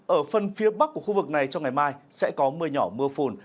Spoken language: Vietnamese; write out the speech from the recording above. ở phần phía bắc của khu vực này trong ngày mai sẽ có mưa nhỏ mưa phùn